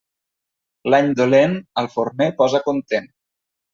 L'any dolent al forner posa content.